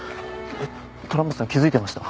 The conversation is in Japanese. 虎松さん気づいてました？